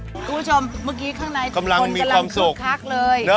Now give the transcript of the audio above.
คุณผู้ชมเมื่อกี้ข้างในคนกำลังคึกคักเลย